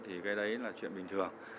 thì cái đấy là chuyện bình thường